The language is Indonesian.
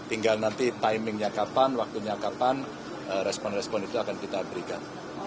tinggal nanti timingnya kapan waktunya kapan respon respon itu akan kita berikan